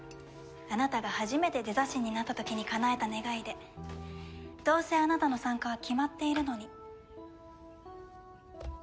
あなたが初めてデザ神になった時にかなえた願いでどうせあなたの参加は決まっているのに。